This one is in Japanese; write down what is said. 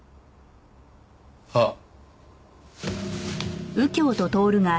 あっ！